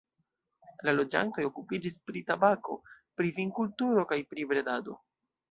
La loĝantoj okupiĝis pri tabako, pri vinkulturo kaj pri bredado.